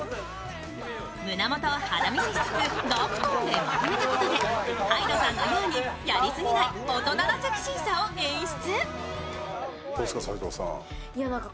胸元を肌見せしつつ、ダークトーンでまとめたことでｈｙｄｅさんのように、やりすぎない大人のセクシーさを演出。